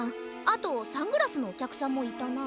あとサングラスのおきゃくさんもいたな。